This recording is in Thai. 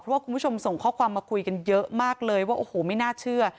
เพราะว่าคุณผู้ชมส่งข้อความมาคุยกันเยอะมากเลยว่าโอ้โหไม่น่าเชื่อ